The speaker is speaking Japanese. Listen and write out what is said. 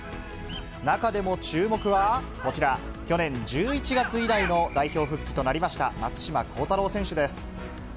中でも注目は、こちら、去年１１月以来の代表復帰となりました松島幸太朗選手です。